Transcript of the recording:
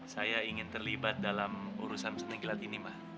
saya ingin terlibat dalam urusan pesan rangkilat ini ma